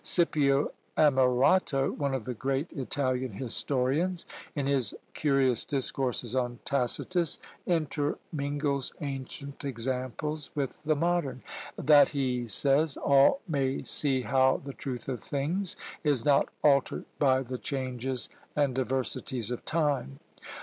Scipio Ammirato, one of the great Italian historians, in his curious discourses on Tacitus, intermingles ancient examples with the modern; that, he says, all may see how the truth of things is not altered by the changes and diversities of time.